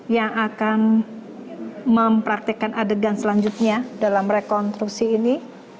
yang akan mempraktekkan adegan selanjutnya dalam rekonstruksi ini